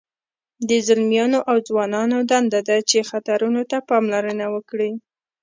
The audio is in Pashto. د ځلمیانو او ځوانانو دنده ده چې خطرونو ته پاملرنه وکړي.